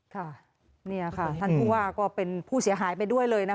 ค่ะนี่ค่ะท่านผู้ว่าก็เป็นผู้เสียหายไปด้วยเลยนะคะ